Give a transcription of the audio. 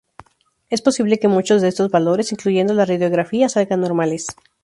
Es posible que muchos de estos valores, incluyendo la radiografía, salgan normales.